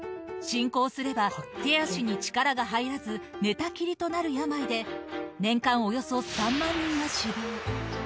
進行すれば、手足に力が入らず、寝たきりとなる病で、年間およそ３万人が死亡。